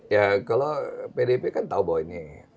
ya kalau pdip kan tahu bahwa ini